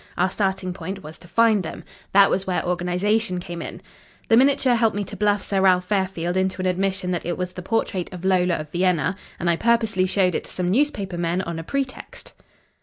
Our starting point was to find them. That was where organisation came in. The miniature helped me to bluff Sir Ralph Fairfield into an admission that it was the portrait of Lola of Vienna, and I purposely showed it to some newspaper men on a pretext.